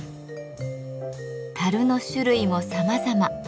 樽の種類もさまざま。